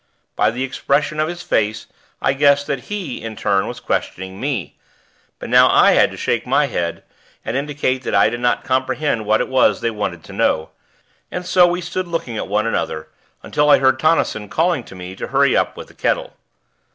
By the expression of his face I guessed that he, in turn, was questioning me; but now I had to shake my head, and indicate that I did not comprehend what it was they wanted to know; and so we stood looking at one another, until I heard Tonnison calling to me to hurry up with the kettle.